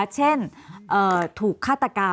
เช่นถูกฆาตกรรม